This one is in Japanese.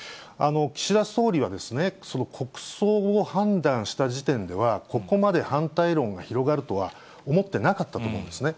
岸田総理は、国葬を判断した時点では、ここまで反対論が広がるとは思ってなかったと思うんですね。